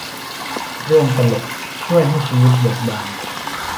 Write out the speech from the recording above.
เรื่องตลกช่วยให้ชีวิตเบิกบาน